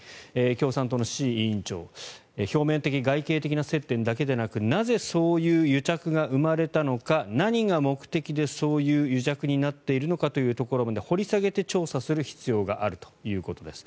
共産党の志位委員長表面的、外形的な接点だけでなくなぜそういう癒着が生まれたのか何が目的で、そういう癒着になっているのかというところまで掘り下げて調査する必要があるということです。